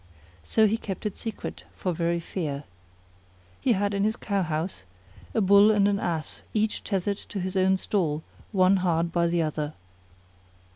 So he kept it secret for very fear. He had in his cow house a Bull and an Ass each tethered in his own stall one hard by the other.